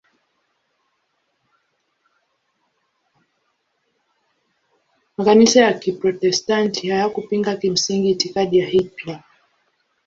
Makanisa ya Kiprotestanti hayakupinga kimsingi itikadi ya Hitler.